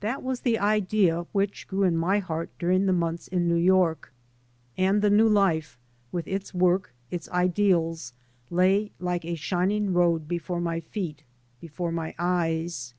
That was the idea which grew in my heart during the months in New York. And the new life, with its work, its ideals, lay like a shining road before my feet, before my eyes.